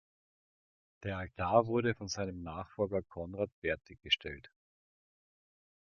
Der Altar wurde von seinem Nachfolger Conrad fertig gestellt.